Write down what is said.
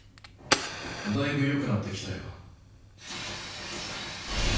だいぶ良くなってきたよ。